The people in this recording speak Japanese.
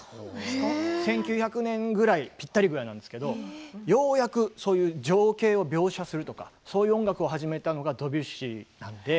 １９００年くらいぴったりくらいなんですけれども情景を描写するとかそういう音楽を始めたのがドビュッシーなんです。